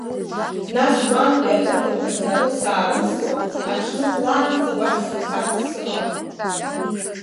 Нас уантәи ақыҭақәа снарылс-аарылсуа, аҽны хәлаанӡа уахь сынхарц сыҟан.